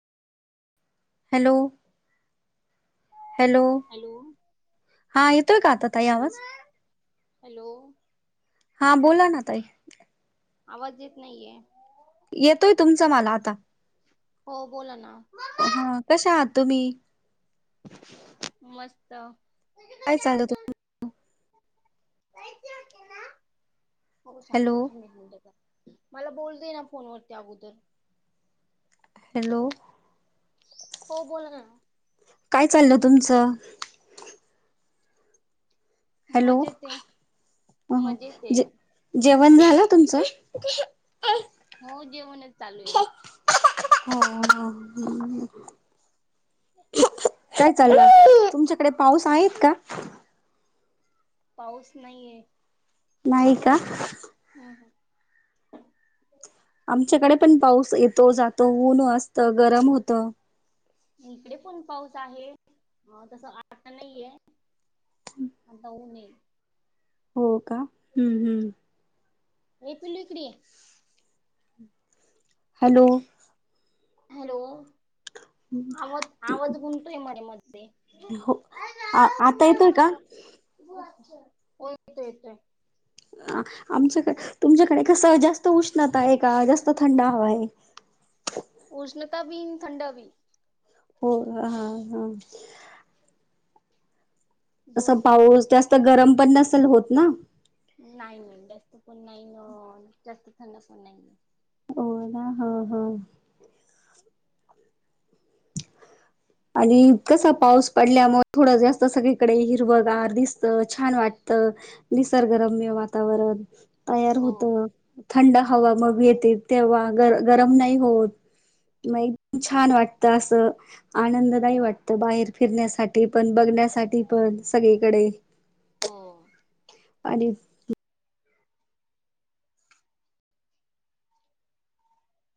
Hello. Hello hello. हा येतोय का आता ताई आवाज हॅलो हा बोला ना ताई. आवाज येत नाहीये. येतोय तुमचा मला आता. हो बोला ना. हा कशा आहात तुम्ही? मस्त. काय चाल तु हॅलो [unintelligible] मला बोलू देना फोनवरती अगोदर. हॅलो. हो बोला ना. काय चाललंय तुमचं. हॅलो मजेत आहे मजेत ज आहे जेवण झालं तुमचं. हो जेवणच चालूये. [unintelligible] काय पिल्लूकडे चाललं तुमच्याकडे पाऊस आहेत का? पाऊस नाहीये. नाही का? हम हम. आमच्याकडे पण पाऊस येतो जातो ऊन असतं गरम होत. इकडे पण पाऊस आहे तसं आता नाहीये. आता ऊन ये. हो का हम्म हम्म. ए पिलू इकडे ये. हॅलो. हॅलो आवाज आवाज गुमतोय मध्ये मध्ये. अ आता येतोय का? हो येतो येतोय. आमच्याक तुमच्याकडे कस जास्त उष्णता आहे का जास्त थंड हवा आहे. उष्णता बी थंडा बी. हो हा हा. असं दोन्ही. पाऊस जास्त गरम पण नसेल होत ना. नाही नाही जास्त पण नाही ना जास्त थंड पण नाही. हो ना हा हा. ह [inaudible] आणि इतकसा पाऊस पडल्यामुळे थोडं जास्त सगळीकडे हिरवगार दिसतं छान वाटत. निसर्गरम्य वातावरण तयार हो होत. थंड हवा मग येते तेव्हा गरम गरम नाही होत. लाईक छान वाटतं असं. आनंद दाई वाटत बाहेर फिरण्यासाठी पण बघण्यासाठी पण सगळीकडे. हो. आणि